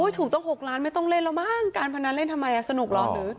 ถูกต้อง๖ล้านไม่ต้องเล่นแล้วมั้งการพนันเล่นทำไมสนุกเหรอหรือ